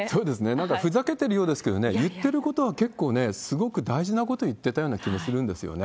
なんかふざけてるようですけどね、言ってることは結構ね、すごく大事なことを言ってたような気もするんですよね。